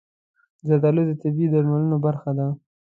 زردالو د طبیعي درملو برخه ده.